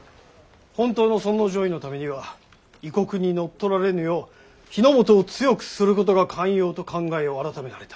本当の尊王攘夷のためには異国に乗っ取られぬよう日の本を強くすることが肝要と考えを改められた。